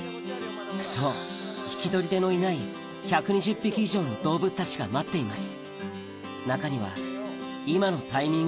そう引き取り手のいない１２０匹以上の動物たちが待っています